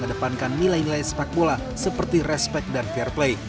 kedepankan nilai nilai sepak bola seperti respect dan fair play